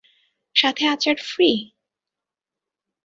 সাথে আচার ফ্রি।